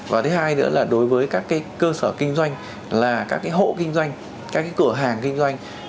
và thứ hai nữa là đối với các cái cơ sở kinh doanh là các cái hộ kinh doanh các cái cửa hàng kinh doanh